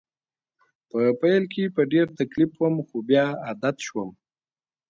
په پیل کې په ډېر تکلیف وم خو بیا عادت شوم